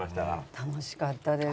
楽しかったです。